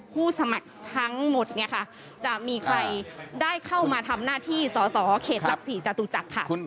ผู้สมัครทั้งหมดเนี่ยค่ะจะมีใครได้เข้ามาทำหน้าที่สอสอเขตหลัก๔จตุจักรค่ะ